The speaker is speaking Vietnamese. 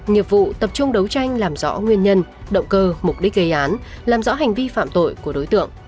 nghiệp vụ tập trung đấu tranh làm rõ nguyên nhân động cơ mục đích gây án làm rõ hành vi phạm tội của đối tượng